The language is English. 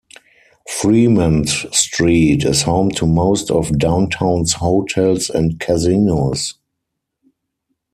Fremont Street is home to most of downtown's hotels and casinos.